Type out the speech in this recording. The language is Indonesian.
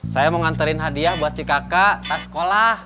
saya mau nganterin hadiah buat si kakak tas sekolah